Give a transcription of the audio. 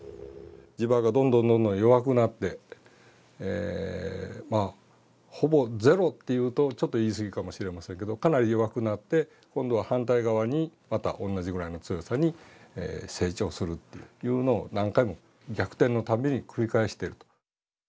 磁場がどんどんどんどん弱くなってまあ「ほぼゼロ」って言うとちょっと言い過ぎかもしれませんけどかなり弱くなって今度は反対側にまた同じぐらいの強さに成長するっていうのを何回も逆転のたびに繰り返してると。